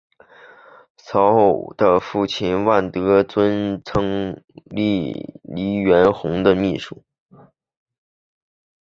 曹禺的父亲万德尊曾任黎元洪的秘书。